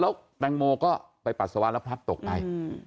แล้วแตงโมก็ไปปัดสวรรค์แล้วพัดตกไป